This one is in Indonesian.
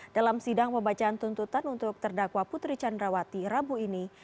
dalam sidang pembacaan tuntutan untuk terdakwa putri candrawati rabu ini